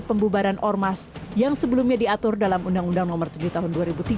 pembubaran ormas yang sebelumnya diatur dalam undang undang nomor tujuh tahun dua ribu tiga